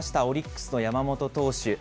オリックスの山本投手。